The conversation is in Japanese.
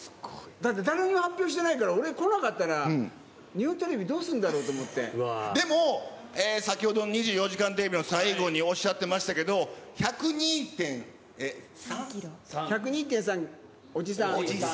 だって、誰にも発表してないから、俺、来なかったら、日本テでも、先ほどの２４時間テレビの最後におっしゃってましたけど、１０２１０２．３、おじさん。